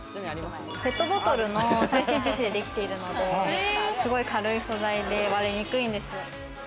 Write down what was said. ペットボトルの再生樹脂でできているので、すごい軽い素材で割れにくいんですよ。